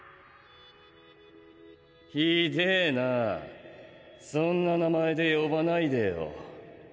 酷えなァそんな名前で呼ばないでよ。